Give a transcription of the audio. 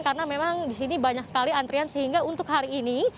karena memang di sini banyak sekali antrian sehingga untuk hari ini